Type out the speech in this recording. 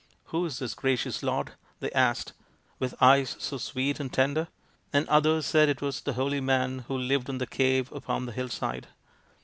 " Who is this gracious lord," they asked, " with eyes so sweet and tender ?" And others said that it was the holy man who lived in the cave upon the hill side.